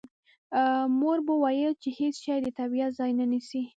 مور به یې ویل چې هېڅ شی د طبیعت ځای نه نیسي